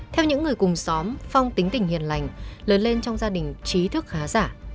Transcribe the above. theo những người cùng xóm phong tính tình hiền lành lớn lên trong gia đình trí thức khá giả